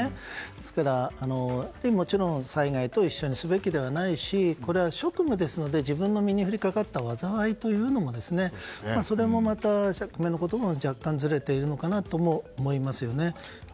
ですから、もちろん災害と一緒にすべきではないしこれは職務ですので自分の身に降りかかった災いというのもそれもまた、釈明の言葉が若干ずれているのかなとも思いますよね。